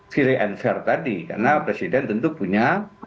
ciri and fair tadi karena presiden tentu punya